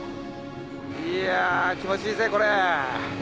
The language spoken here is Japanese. いや気持ちいいぜこれ。